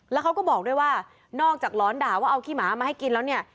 แล้วเขาก็บอกด้วยว่านอกจากหลอนด่าว่าเอาขี้หมามาให้กินแล้วเนี่ย